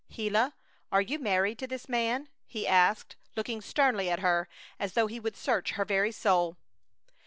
"Gila, are you married to this man?" he asked, looking sternly at her, as though he would search her very soul.